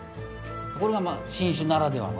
これがまあ新酒ならではの。